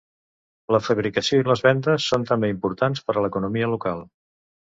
La fabricació i les vendes són també importants per a l'economia local.